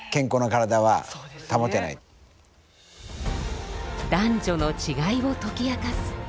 男女の違いを解き明かす性差医療。